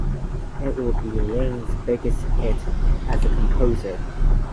It would be Lane's biggest hit as a composer.